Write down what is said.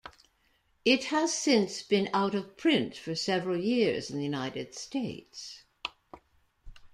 It has since been out of print for several years in the United States.